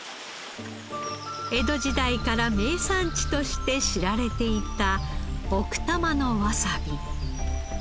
江戸時代から名産地として知られていた奥多摩のわさび。